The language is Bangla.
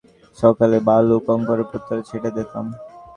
সেদিনের পর থেকে আমি প্রত্যহ সকালে বালু-কংকরের প্রান্তরে ছুটে যেতাম।